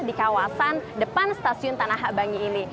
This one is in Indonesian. di kawasan depan stasiun tanah abang ini